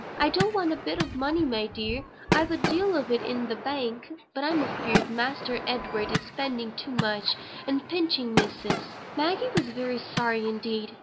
I don't want a bit for money, my dear; I've a deal in the Bank. But I'm afeard Master Edward is spending too much, and pinching Missus." Maggie was very sorry indeed.